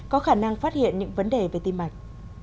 có khả năng phát hiện những vấn đề về tim mạch